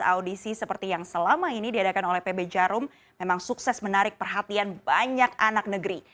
audisi seperti yang selama ini diadakan oleh pb jarum memang sukses menarik perhatian banyak anak negeri